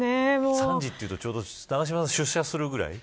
３時というと、ちょうど永島さんが出社するくらい。